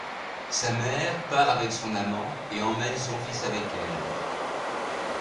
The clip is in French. Sa mère part avec son amant et emmène son fils avec elle.